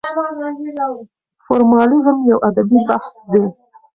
فورمالېزم يو ادبي بحث دی.